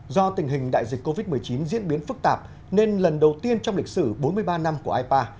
do tình hình đại dịch covid một mươi chín diễn biến phức tạp nên lần đầu tiên trong lịch sử bốn mươi ba năm của ipa